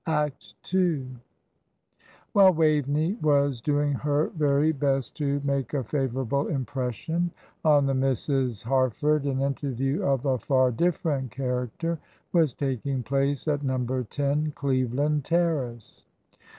Act II. While Waveney was doing her very best to make a favourable impression on the Misses Harford, an interview of a far different character was taking place at Number Ten, Cleveland Terrace.